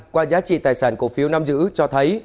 qua giá trị tài sản cổ phiếu nam giữ cho thấy